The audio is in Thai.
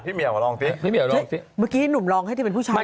เหมียวมาลองสิพี่เหี่ยวลองสิเมื่อกี้หนุ่มลองให้เธอเป็นผู้ชาย